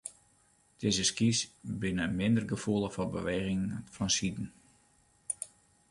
Dizze skys binne minder gefoelich foar bewegingen fansiden.